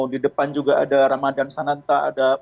di depan juga ada ramadan sananta